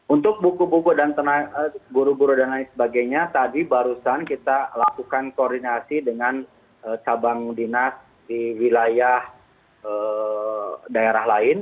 untuk buku buku guru guru dan lain sebagainya tadi barusan kita lakukan koordinasi dengan cabang dinas di wilayah daerah lain